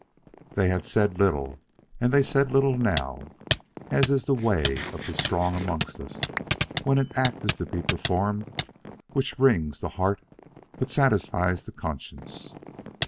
They had said little; and they said little now, as is the way of the strong amongst us when an act is to be performed which wrings the heart but satisfies the conscience.